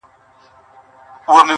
دغونه خوند نه وي